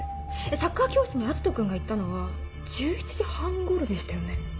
サッカー教室に篤斗君が行ったのは１７時半頃でしたよね？